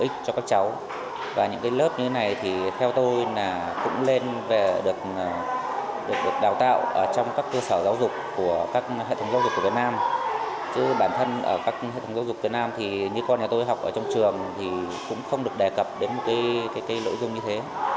trong trường giáo dục việt nam như con nhà tôi học ở trong trường cũng không được đề cập đến một lợi dụng như thế